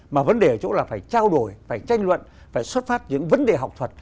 mà vấn đề ở chỗ là phải trao đổi phải tranh luận phải xuất phát những vấn đề học thuật